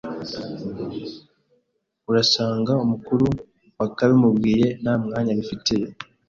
Urasanga umukuru wakabimubwiye nta mwanya abifitiye